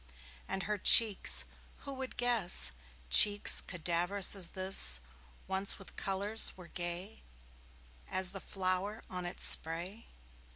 And her cheeks who would guess Cheeks cadaverous as this Once with colours were gay As the flower on its spray?